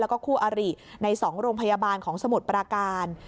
แล้วก็คู่อาริใน๒โรงพยาบาลของสมุทรปราการ